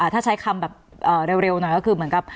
ถ้าใช้คำแบบเร็วหน่อยก็คือเหมือนกับ